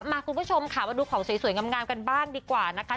คุณผู้ชมค่ะมาดูของสวยงามกันบ้างดีกว่านะคะ